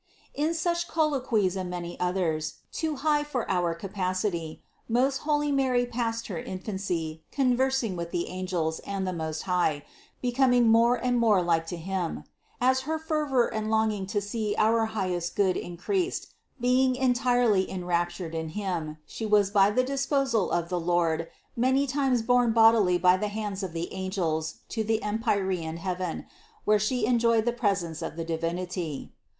383. In such colloquies and many others, too high for our capacity, most holy Mary passed her infancy, conversing with the angels and the Most High, becom ing more and more like to Him. As her fervor and longing to see our highest Good increased, being en THE CONCEPTION 305 tirely enraptured in Him, She was by the disposal of the Lord many times borne bodily by the hands of the angels to the empyrean heaven, where She enjoyed the presence of the Divinity.